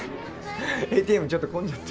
ＡＴＭちょっと混んじゃって。